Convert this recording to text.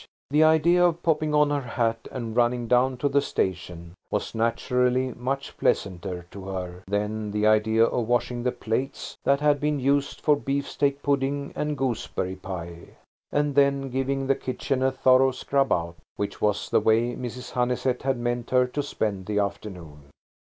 The idea of "popping on her hat" and running down to the station was naturally much pleasanter to her than the idea of washing the plates that had been used for beefsteak pudding and gooseberry pie, and then giving the kitchen a thorough scrub out–which was the way Mrs. Honeysett had meant her to spend the afternoon.